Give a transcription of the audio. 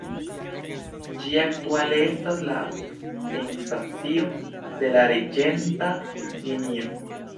Ĝi aktuale estas la finstacio de la arĝenta linio.